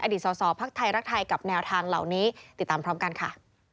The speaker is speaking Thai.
สอสอพักไทยรักไทยกับแนวทางเหล่านี้ติดตามพร้อมกันค่ะ